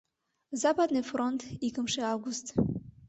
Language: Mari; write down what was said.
«Западный фронт, икымше август